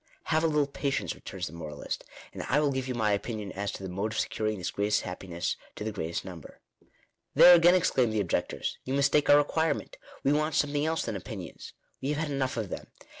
" Have a little patience," returns the moralist, " and I will give you my opinion as to the mode of securing this greatest happiness to the greatest number." " There again," exclaim the objectors, " you mistake our requirement. We want something else than opinions. We have had enough of them.